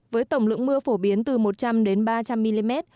với tổng lượng mưa phổ biến từ một trăm linh đến ba trăm linh mm